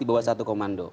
di bawah satu komando